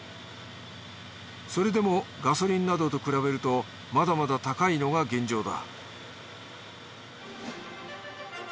それでもガソリンなどと比べるとまだまだ高いのが現状だ